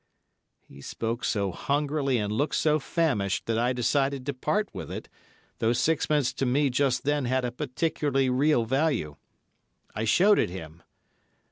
He spoke so hungrily and looked so famished that I decided to part with it, though sixpence to me just then had a particularly real value. I showed it him.